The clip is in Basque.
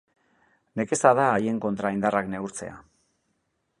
Nekeza da haien kontra indarrak neurtzea.